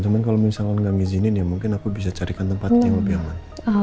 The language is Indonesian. cuman kalau misalkan gak ngizinin ya mungkin aku bisa carikan tempat yang lebih aman